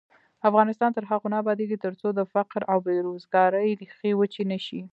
افغانستان تر هغو نه ابادیږي، ترڅو د فقر او بې روزګارۍ ریښې وچې نشي.